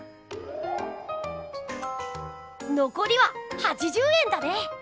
のこりは８０円だね。